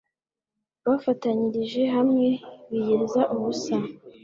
Bafatanyirije hamwe biyiriza ubusa